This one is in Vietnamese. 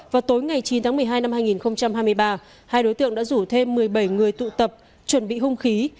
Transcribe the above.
vào tối ngày chín tháng một mươi hai năm hai nghìn hai mươi ba hai đối tượng đã rủ thêm một mươi bảy người tụ tập chuẩn bị hung khí